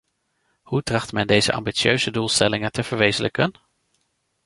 Hoe tracht men deze ambitieuze doelstellingen te verwezenlijken?